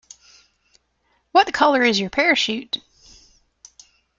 What colour is your parachute?